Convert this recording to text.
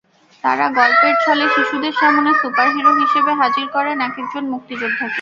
তাঁরা গল্পের ছলে শিশুদের সামনে সুপারহিরো হিসেবে হাজির করেন একেকজন মুক্তিযোদ্ধাকে।